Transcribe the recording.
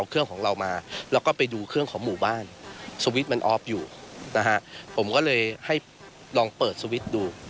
เครื่องของหมู่บ้านมันออฟอยู่นะฮะผมก็เลยให้ลองเปิดดู